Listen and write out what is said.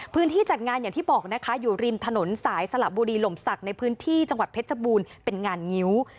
จัดงานอย่างที่บอกนะคะอยู่ริมถนนสายสละบุรีหล่มศักดิ์ในพื้นที่จังหวัดเพชรบูรณ์เป็นงานงิ้ว